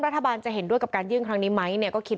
ทางคุณชัยธวัดก็บอกว่าการยื่นเรื่องแก้ไขมาตรวจสองเจน